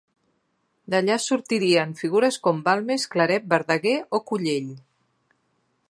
D'allà sortirien figures com Balmes, Claret, Verdaguer o Collell.